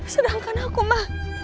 sedangkan aku ma